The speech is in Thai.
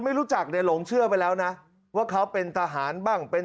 ไม่รู้จักเนี่ยหลงเชื่อไปแล้วนะว่าเขาเป็นทหารบ้างเป็น